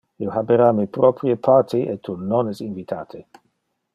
Io habera mi proprie party, e tu non es invitate!